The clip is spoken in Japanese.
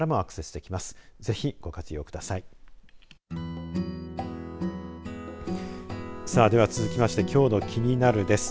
では、続きましてきょうのキニナル！です。